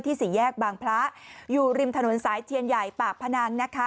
สี่แยกบางพระอยู่ริมถนนสายเทียนใหญ่ปากพนังนะคะ